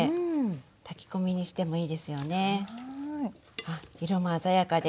はあ色も鮮やかで。